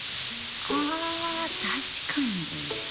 あぁ確かに。